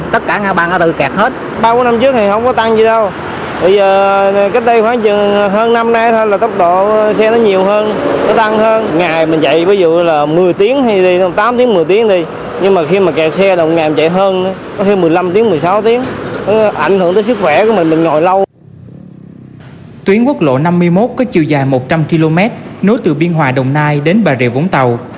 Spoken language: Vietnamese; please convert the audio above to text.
tiến quốc lộ năm mươi một có chiều dài một trăm linh km nối từ biên hòa đồng nai đến bà rịa vũng tàu